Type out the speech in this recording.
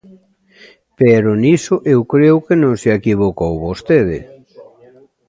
Pero niso eu creo que non se equivocou vostede.